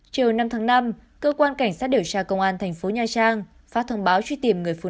chiều năm tháng năm cơ quan cảnh sát điều tra công an thành phố nha trang phát thông báo